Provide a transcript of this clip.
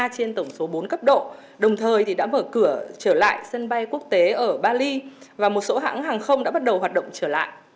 ba trên tổng số bốn cấp độ đồng thời đã mở cửa trở lại sân bay quốc tế ở bali và một số hãng hàng không đã bắt đầu hoạt động trở lại